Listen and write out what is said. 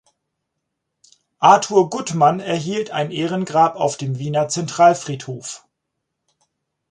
Arthur Guttmann erhielt ein Ehrengrab auf dem Wiener Zentralfriedhof.